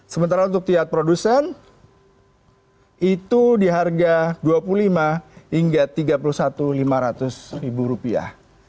sementara untuk pihak produsen itu di harga dua puluh lima hingga tiga puluh satu lima ratus ribu rupiah